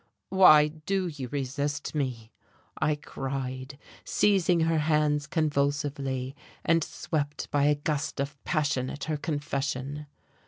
"Why do you resist me?" I cried, seizing her hands convulsively, and swept by a gust of passion at her confession.